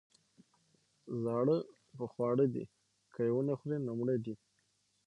ـ زاړه په خواړه دي، که يې ونخوري نو مړه دي.